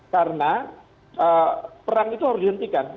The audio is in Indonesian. karena perang itu harus dihentikan